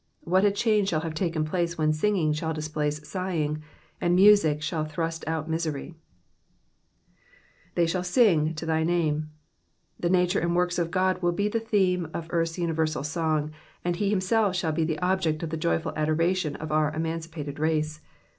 What a change shall have taken place when singing shall displace sighing, and music shall thrust out misery I '''Tlity shall sing to thy name^ The nature and works of Gud will be the theme of earth's universal song, and he himself shall be the object of the joyful adoration of our emancipated race.